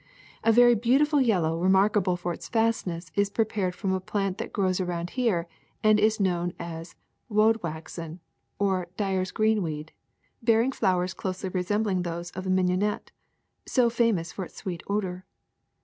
"A very beautiful yellow remarkable for its fastness is prepared from a plant that grows around here and is known as woadwaxen or dyers' greenweed, bear ing flowers closely resembling those of the mignon ette, so famous for its sweet odor.